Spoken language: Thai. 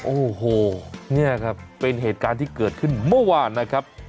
โอ้โหเนี่ยครับเป็นเหตุการณ์ที่เกิดขึ้นเมื่อวานนะครับ